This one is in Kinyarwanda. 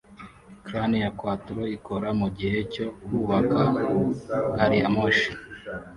Crane ya Quattro ikora mugihe cyo kubaka gariyamoshi